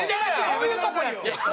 そういうとこやって！